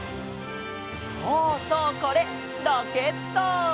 そうそうこれロケット！